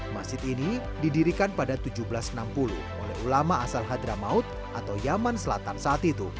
masjid ini didirikan pada seribu tujuh ratus enam puluh oleh ulama asal hadramaut atau yaman selatan saat itu